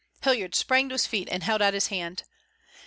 Hilliard sprang to his feet and held out his hand.